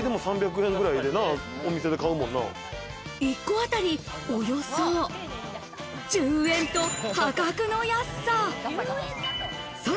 １個あたり、およそ１０円と、破格の安さ。